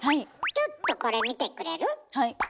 ちょっとこれ見てくれる？